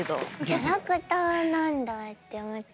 キャラクターなんだって思って。